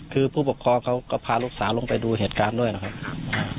คือผู้ปกครองเขาก็พาลูกสาวลงไปดูเหตุการณ์ด้วยนะครับ